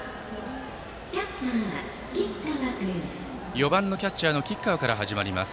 ４番のキャッチャーの吉川から始まります